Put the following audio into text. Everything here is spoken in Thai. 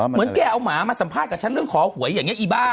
เหมือนแกเอาหมามาสัมภาษณ์กับฉันเรื่องขอหวยอย่างนี้อีบ้า